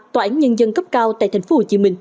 tòa án nhân dân cấp cao tại tp hcm